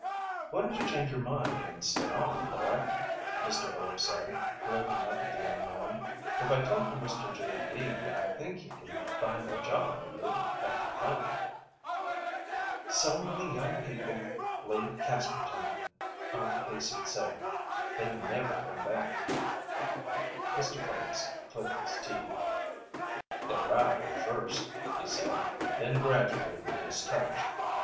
"Why don't you change your mind and stay on, boy?" Mr. Phillips said, blinking up at the young man. "If I talk to Mr. J.D., I think he can find a job for you at the plant." "So many young people leave Casperton," Aunt Haicey said. "They never come back." Mr. Phillips clicked his teeth. "They write, at first," he said. "Then they gradually lose touch."